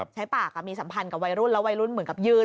ใช้ปากมีสัมพันธ์กับวัยรุ่นแล้ววัยรุ่นเหมือนกับยืน